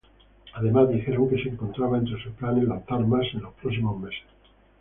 Además, dijeron que se encontraba entre sus planes lanzar más en los próximos meses.